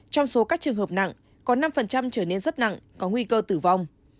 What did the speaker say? trong số các trường hợp nặng có năm trở nên rất nặng có nguy cơ tử vong